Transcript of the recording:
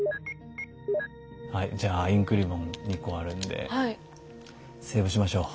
はいじゃあインクリボン２個あるんでセーブしましょう。